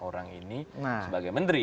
orang ini sebagai menteri